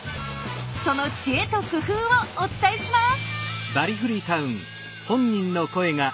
その知恵と工夫をお伝えします。